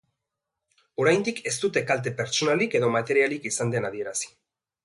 Oraindik ez dute kalte pertsonalik edo materialik izan den adierazi.